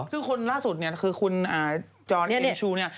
ซึ่งคนล่าสุดเนี่ยคือคุณจรทิชูเนี่ย